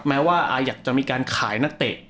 แม้ว่าอาอยากจะมีการขายนักเตะ